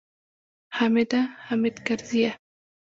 حامده! حامد کرزیه!